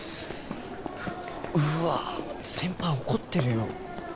うわあ先輩怒ってるよ。